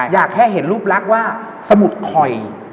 อยากให้เห็นรูปลักษณ์ว่าสมุดคอย